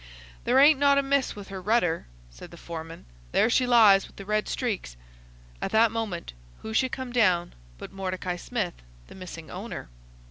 'There ain't naught amiss with her rudder,' said the foreman. 'There she lies, with the red streaks.' At that moment who should come down but Mordecai Smith, the missing owner?